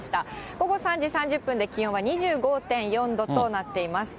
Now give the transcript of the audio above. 午後３時３０分で気温は２５．４度となっています。